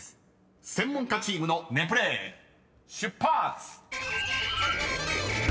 専門家チームのネプレール出発！］